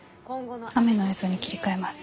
雨の映像に切り替えます。